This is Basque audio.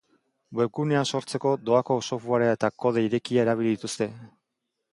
Webgunea sortzeko doako softwarea eta kode irekia erabili dituzte.